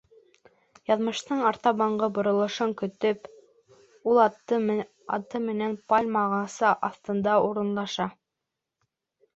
Яҙмыштың артабанғы боролошон көтөп, ул аты менән пальма ағасы аҫтына урынлаша.